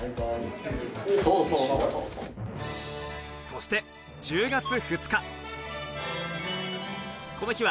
そして１０月２日。